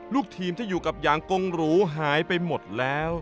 ลูกทีมที่อยู่กับยางกงหรูหายไปหมดแล้ว